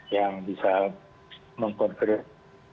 yang bisa mengkonfirmasi